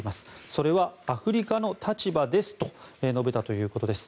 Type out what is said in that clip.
それはアフリカの立場ですと述べたということです。